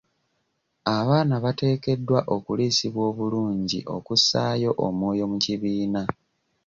Abaana bateekeddwa okuliisibwa obulungi okussaayo omwoyo mu kibiina.